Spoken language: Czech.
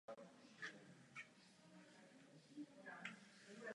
Tyto objekty sloužily jako orientační prvky mapy.